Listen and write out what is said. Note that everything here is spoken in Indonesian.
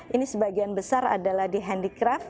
ini sebagian besar adalah di handicraft